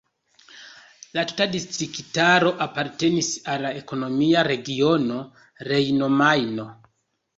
La tuta distriktaro apartenas al la ekonomia regiono Rejno-Majno.